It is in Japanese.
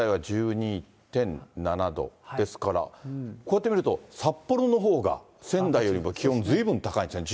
ですからこうやって見ると、札幌のほうが、仙台よりも気温ずいぶん高いんですね。